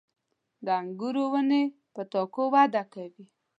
• د انګورو ونې په تاکو وده کوي.